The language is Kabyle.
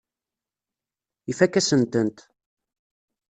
Ifakk-asen-tent.